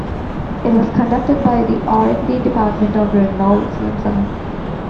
It was conducted by the R and D department of Renault Samsung.